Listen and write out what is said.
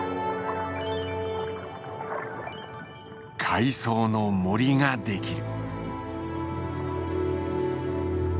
海藻の森ができる。